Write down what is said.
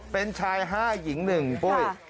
เป็นชาย๕หญิง๑ปุ้ย